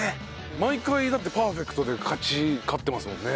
毎回パーフェクトで勝ってますもんね。